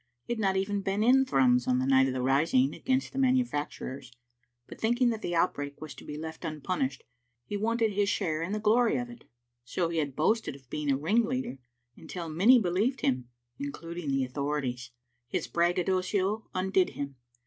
He had not even been in Thrums on the night of the rising against the manu facturers, but thinking that the outbreak was to be left unpunished, he wanted his share in the glory of it. So he had boasted of being a ringleader until many be lieved him, including the authorities. His bragga docio undid him.